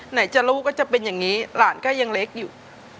ไหนจะลูกก็จะเป็นอย่างนี้หลานก็ยังเล็กอยู่